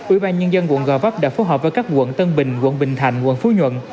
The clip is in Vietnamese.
ủy ban nhân dân quận gò vấp đã phối hợp với các quận tân bình quận bình thạnh quận phú nhuận